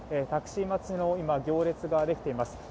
タクシー待ちの行列ができています。